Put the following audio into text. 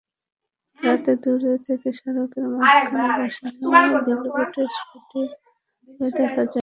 রাতে দূর থেকে সড়কের মাঝখানে বসানো বিলবোর্ডের খুঁটি সেভাবে দেখা যায় না।